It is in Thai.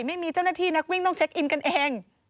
ไม่มีเจ้าหน้าที่นักวิ่งต้องเช็คอินกันเอง